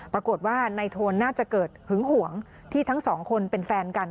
ปรากฏว่านายโทนน่าจะเกิดหึงหวงที่ทั้งสองคนเป็นแฟนกัน